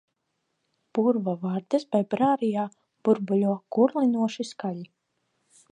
Purva vardes bebrārijā burbuļo kurlinoši skaļi.